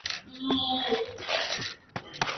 He loved building Legos with their daughter.